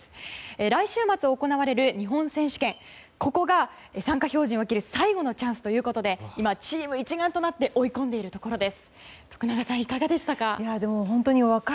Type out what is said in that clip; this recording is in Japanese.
来週末行われる日本選手権ここが参加標準を分ける最後のチャンスということで今、チーム一丸となって追い込んでいるところです。